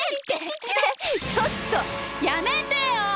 ちょっとやめてよ！